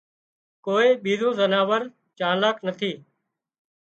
ڪوئي ٻيزُون زناور چالاڪ نٿي